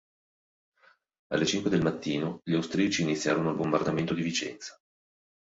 Alle cinque del mattino gli austriaci iniziarono il bombardamento di Vicenza.